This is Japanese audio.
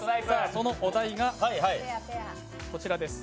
そのお題がこちらです。